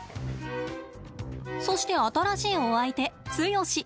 そして新しいお相手、ツヨシ。